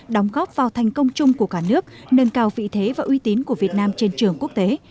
đóng góp vào thành công chung của cả nước nâng cao vị thế và uy tín của việt nam trên trường quốc tế